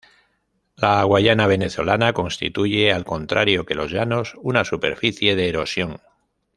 La Guayana venezolana constituye, al contrario que los Llanos, una superficie de erosión.